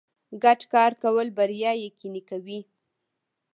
ګډ کار کول بریا یقیني کوي.